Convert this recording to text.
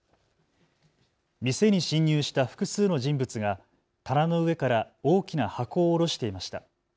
店に侵入した複数の人物が棚の上から大きな箱を下ろしていました。